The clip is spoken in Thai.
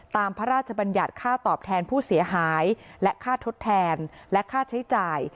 พระราชบัญญัติค่าตอบแทนผู้เสียหายและค่าทดแทนและค่าใช้จ่าย